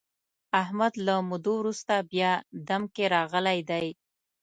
احمد له مودو ورسته بیا دم کې راغلی دی.